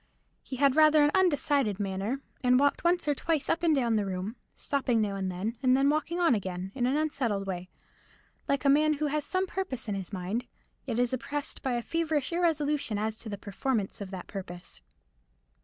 He had rather an undecided manner, and walked once or twice up and down the room, stopping now and then, and then walking on again, in an unsettled way; like a man who has some purpose in his mind, yet is oppressed by a feverish irresolution as to the performance of that purpose.